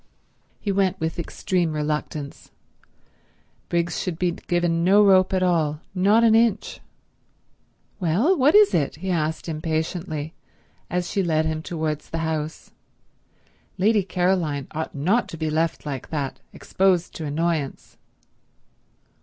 He went with extreme reluctance. Briggs should be given no rope at all—not an inch. "Well—what is it?" he asked impatiently, as she led him towards the house. Lady Caroline ought not to be left like that, exposed to annoyance.